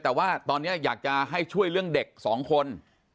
แต่ว่าตอนนี้อยากจะให้ช่วยเรื่องเด็กสองคน